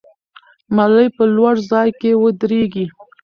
ملالۍ په لوړ ځای کې ودرېږي.